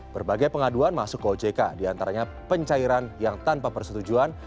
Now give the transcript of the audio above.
berbagai pengaduan masuk ke ojk diantaranya pencairan yang tanpa persetujuan